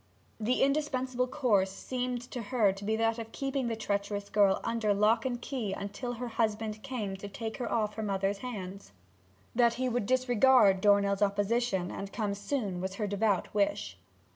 The indispensable course seemed to her to be that of keeping the treacherous girl under lock and key till her husband came to take her off her mother's hands. That he would disregard Dornell's opposition, and come soon, was her devout wish.